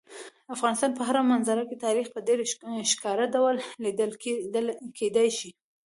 د افغانستان په هره منظره کې تاریخ په ډېر ښکاره ډول لیدل کېدی شي.